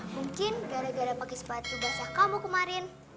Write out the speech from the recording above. mungkin gara gara pakai sepatu basah kamu kemarin